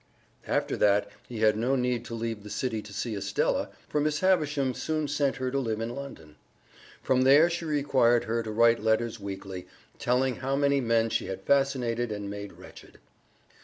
After that he had no need to leave the city to see Estella, for Miss Havisham soon sent her to live in London. From there she required her to write letters weekly, telling how many men she had fascinated and made wretched.